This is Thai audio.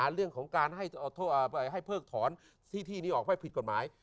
เรื่องของให้เหพรกถอนหน้าตลอด